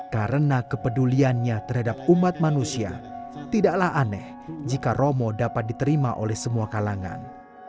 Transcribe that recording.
karena kepeduliannya terhadap umat manusia tidaklah aneh jika romo dapat diterima oleh semua kalangan